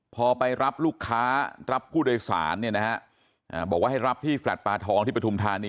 พอไปรับลูกค้ารับผู้โดยสารเนี่ยนะฮะบอกว่าให้รับที่แลตปลาทองที่ปฐุมธานี